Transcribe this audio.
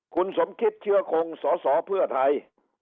คุณสมคิดเชื้อคงสสเพื่อไทย